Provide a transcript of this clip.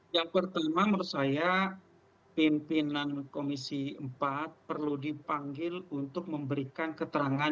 yang pertama menurut saya pimpinan komisi empat perlu dipanggil untuk memberikan keterangan